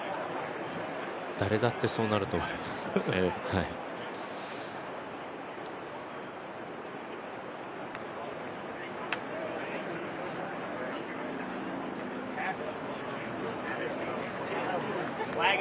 誰だってそうなると思います。